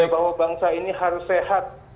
bahwa bangsa ini harus sehat